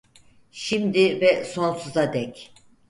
Şimdi ve sonsuza dek.